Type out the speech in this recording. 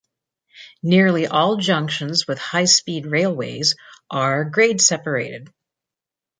Nearly all junctions with high-speed railways are grade-separated.